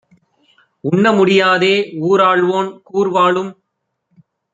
உண்ண முடியாதே ஊராள்வோன் கூர்வாளும்